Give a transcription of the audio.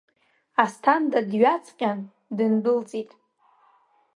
Асҭанда дҩаҵҟьан, дындәылҵит.